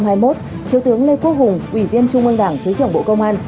thiếu tướng lê quốc hùng ủy viên trung ương đảng thứ trưởng bộ công an